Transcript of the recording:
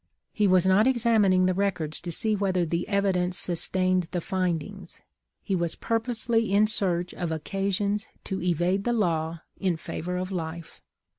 He was not exam ining the records to see whether the evidence sus tained the findings; he was purposely in search of occasions to evade the law, in favor of life.